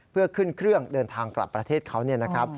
เพื่อขึ้นเครื่องเดินทางกลับประเทศเขา